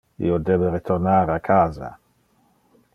Io debe retornar a casa.